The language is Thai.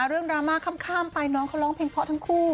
ดราม่าข้ามไปน้องเขาร้องเพลงเพราะทั้งคู่